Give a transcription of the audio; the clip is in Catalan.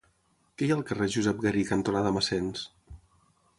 Què hi ha al carrer Josep Garí cantonada Massens?